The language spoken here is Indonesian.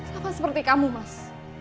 sama seperti kamu mas